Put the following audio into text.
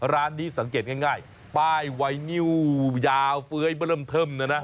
ร้านนี้สังเกตง่ายป้ายไวนิวยาวเฟ้ยเบอร์เริ่มเทิมนะนะ